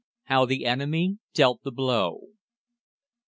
HOW THE ENEMY DEALT THE BLOW.